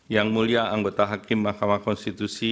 yang mulia anggota hakim mahkamah konstitusi